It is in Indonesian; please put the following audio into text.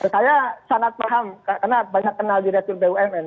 saya sangat paham karena banyak kenal direktur bumn